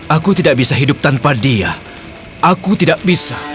aku tidak bisa hidup tanpa dia aku tidak bisa